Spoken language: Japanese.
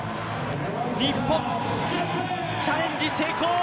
日本、チャレンジ成功。